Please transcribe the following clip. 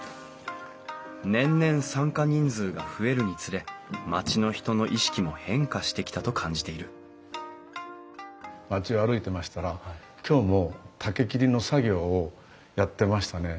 年々参加人数が増えるにつれ町の人の意識も変化してきたと感じている町を歩いてましたら今日も竹切りの作業をやってましたね。